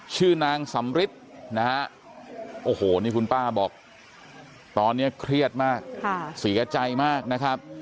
ชื่อนางสำริทนะฮะโอ้โหนี่คุณป้าบอกตอนนี้เครียดมากเสียใจมากนะครับ